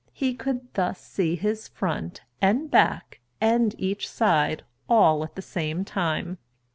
He could thus see his front, and back, and each side, all at the same time.